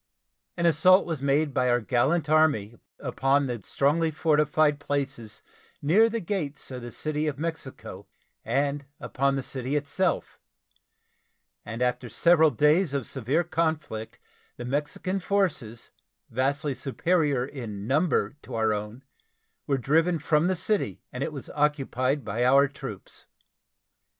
An assault was made by our gallant Army upon the strongly fortified places near the gates of the City of Mexico and upon the city itself, and after several days of severe conflict the Mexican forces, vastly superior in number to our own, were driven from the city, and it was occupied by our troops.